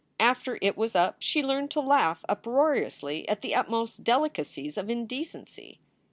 After it was up she learned to laugh uproariously at the utmost delicacies of indecency.